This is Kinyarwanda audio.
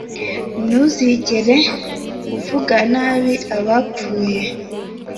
ntuzigere uvuga nabi abapfuye